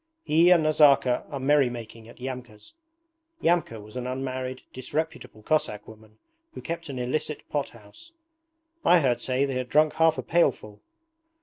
'He and Nazarka are merry making at Yamka's.' (Yamka was an unmarried, disreputable Cossack woman who kept an illicit pot house.) 'I heard say they had drunk half a pailful.'